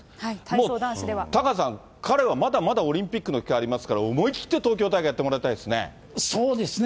タカさん、彼はまだまだオリンピックの機会ありますから、思い切って東京大会、やってもらいたいですね。